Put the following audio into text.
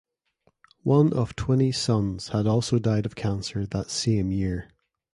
One of Twinney's sons had also died of cancer that same year.